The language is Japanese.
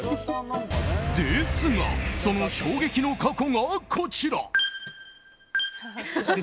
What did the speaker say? ですが、その衝撃の過去がこちら。